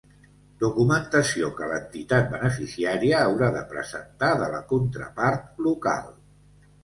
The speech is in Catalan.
Documentació que l'entitat beneficiària haurà de presentar de la contrapart local.